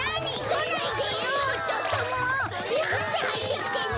なんではいってきてんの！？